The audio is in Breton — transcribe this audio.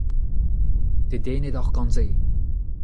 Dedennet oc'h gant se ?